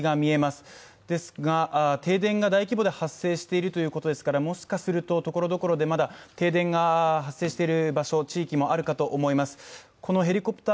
停電が大規模で発生しているということですからもしかすると所々でまだ停電が発生している場所地域もあるかと思います。